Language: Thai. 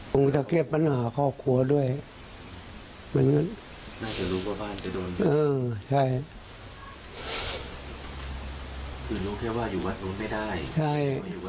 แล้วเขาบอกว่าเขาอยู่ไม่ได้